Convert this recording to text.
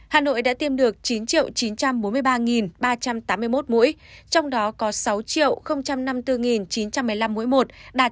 hà nội đã tiêm được chín chín trăm bốn mươi ba ba trăm tám mươi một mũi trong đó có sáu năm mươi bốn chín trăm một mươi năm mũi một đạt chín mươi hai năm dân số trên một mươi tám tuổi và sáu mươi chín sáu tổng dân số